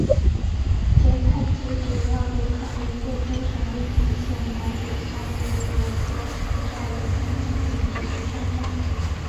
撮泰吉主要流传于贵州省威宁县板底乡以裸戛村寨为中心的彝族山寨。